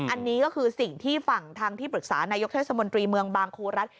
อันนี้ก็คือสิ่งที่ฝั่งทางที่ปรึกษานายกเทศมนตรีเมืองบางครูรัฐ